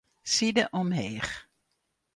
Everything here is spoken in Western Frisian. Side omheech.